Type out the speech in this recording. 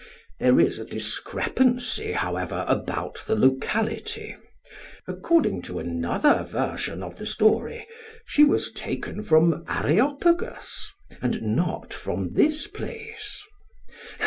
There is a discrepancy, however, about the locality; according to another version of the story she was taken from Areopagus, and not from this place.